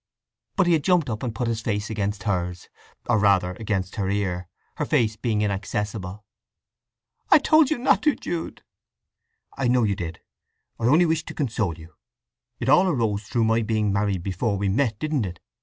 But he had jumped up and put his face against hers—or rather against her ear, her face being inaccessible. "I told you not to, Jude!" "I know you did—I only wish to—console you! It all arose through my being married before we met, didn't it?